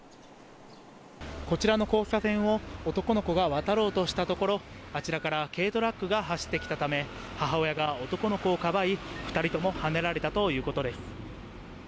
こちらの交差点を、男の子が渡ろうとしたところ、あちらから軽トラックが走ってきたため、母親が男の子をかばい、２人ともはねられたということです。